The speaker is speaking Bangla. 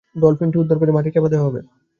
ডলফিনটি উদ্ধার করে মাটিচাপা দেওয়া হবে।